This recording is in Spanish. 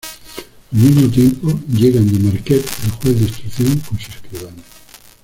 Al mismo tiempo llegan de Marquet, el juez de instrucción, con su escribano.